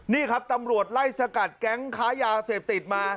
นี่ครับตำรวจไล่สกัดแก๊งค้ายาเสพติดมา